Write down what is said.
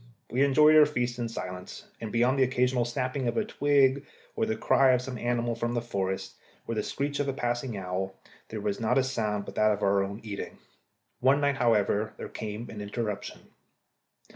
We enjoyed our feasts in silence, and beyond an occasional snapping of a twig, or the cry of some animal from the forest, or the screech of a passing owl, there was not a sound but that of our own eating. One night, however, there came an interruption.